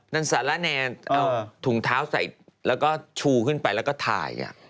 นั่นสาระแนนเอาถุงเท้าใส่แล้วก็ชูขึ้นไปแล้วก็ทาอีกอย่าง